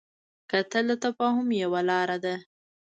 کتل د تفاهم یوه لاره ده